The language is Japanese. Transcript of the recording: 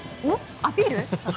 アピール？